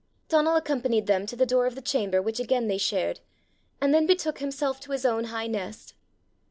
Donal accompanied them to the door of the chamber which again they shared, and then betook himself to his own high nest.